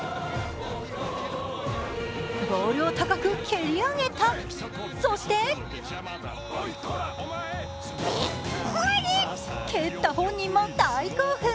ボールを高く蹴り上げた、そして蹴った本人も大興奮。